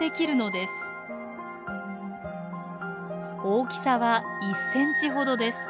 大きさは１ｃｍほどです。